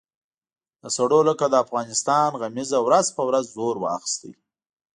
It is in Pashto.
د سړو لکه د افغانستان غمیزه ورځ په ورځ زور اخیست.